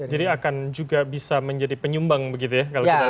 jadi akan juga bisa menjadi penyumbang begitu ya kalau kita lihat